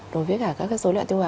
đối với cả các cái dối loạn tiêu hóa